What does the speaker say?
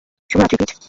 শুভরাত্রি, পিট।